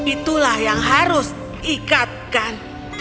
itulah yang harus diikatkan